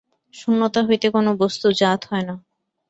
শূন্যতা হইতে কোন বস্তু জাত হয় না।